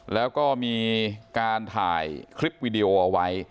แล้วก็มีการถ่ายคลิปวิดีโอเอาไว้